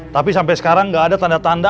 tapi sampai sekarang nggak ada tanda tanda